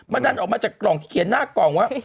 มันดันออกมาจากกล่องที่เขียนหน้ากล่องว่า